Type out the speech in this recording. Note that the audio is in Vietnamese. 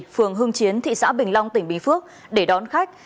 phường hưng chiến thị xã bình long tỉnh bình phước để đón khách